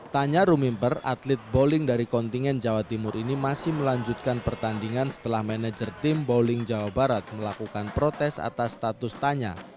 tanya rumimper atlet bowling dari kontingen jawa timur ini masih melanjutkan pertandingan setelah manajer tim bowling jawa barat melakukan protes atas status tanya